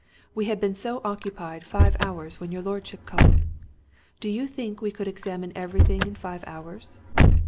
We had been so occupied five hours when your lordship called. Do you think we could examine everything in five hours?